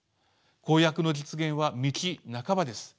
公約の実現は道半ばです。